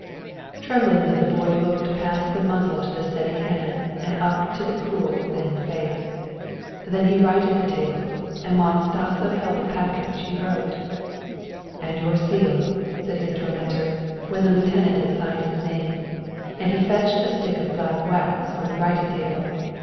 Tremblingly the boy looked past the muzzle to the steady hand and up to the cruel, thin face. Then he righted the table, and whilst Dasso held the package he wrote. "And your seal," said his tormentor, when the lieutenant had signed his name, and he fetched a stick of black wax from the writing table.